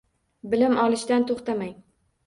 Bilim olishdan toʻxtamang.